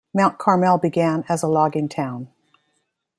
Mount Carmel began as a logging town.